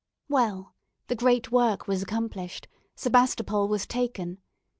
Well, the great work was accomplished Sebastopol was taken.